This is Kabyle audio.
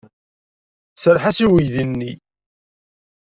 Serreḥ-as i uydi-nni.